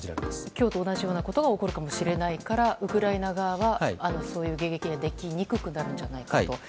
今日と同じようなことが起こるかもしれないからウクライナ側は迎撃できにくくなるのではないかと。